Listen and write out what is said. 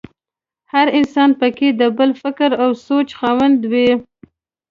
هر انسان په کې د بېل فکر او سوچ خاوند وي.